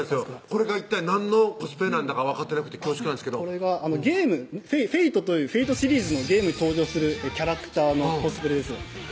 これが一体何のコスプレなんだか分かってなくて恐縮なんですけどこれはゲーム「Ｆａｔｅ」という「Ｆａｔｅ」シリーズのゲームに登場するキャラクターのコスプレです